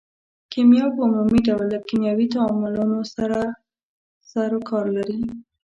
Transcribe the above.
کیمیا په عمومي ډول له کیمیاوي تعاملونو سره سرو کار لري.